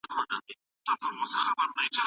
اقتصادي پرمختیا باید تر پخوا غوره وي.